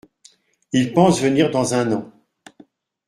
Ils pensent venir dans un an.